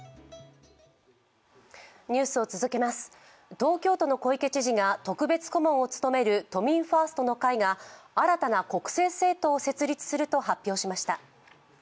東京都の小池知事が特別顧問を務める都民ファーストの会が新たな国政政党を設立すると発表しました。